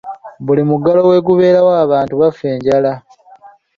Buli muggalo we gubeerawo abantu bafa enjala.